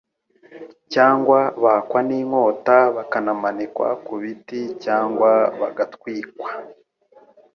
cyangwa bakkwa n'inkota bakanamanikwa ku biti cyangwa bagatwikwa,